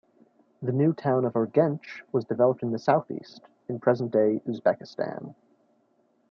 The new town of Urgench was developed to the southeast, in present-day Uzbekistan.